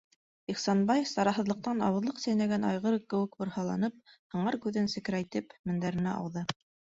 - Ихсанбай, сараһыҙлыҡтан ауыҙлыҡ сәйнәгән айғыр кеүек борһаланып, һыңар күҙен секрәйтеп, мендәренә ауҙы.